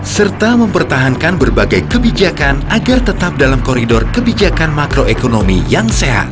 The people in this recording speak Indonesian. serta mempertahankan berbagai kebijakan agar tetap dalam koridor kebijakan makroekonomian